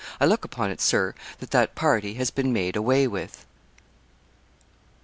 I look upon it, Sir, that that party has been made away with.'